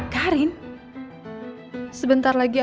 haris akan tahu